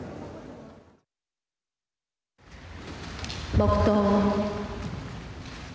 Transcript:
黙とう。